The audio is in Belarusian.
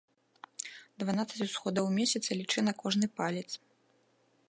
Дванаццаць усходаў месяца лічы на кожны палец.